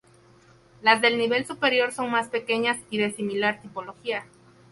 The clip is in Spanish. Las del nivel superior son más pequeñas y de similar tipología.